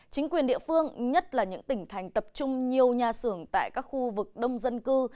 chính quyền địa phương nhất là những tỉnh thành tập trung nhiều nhà xưởng tại các khu vực đông dân cư